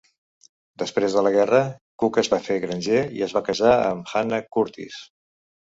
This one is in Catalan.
Després de la guerra, Cook es va fer granger i es va casar amb Hannah Curtis.